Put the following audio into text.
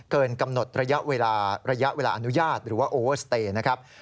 เกินกำหนดระยะเวลาระยะเวลาอนุญาตหรือว่าโอเวอร์สเตย์นะครับ